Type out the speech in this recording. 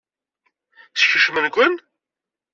Skecmen-ken?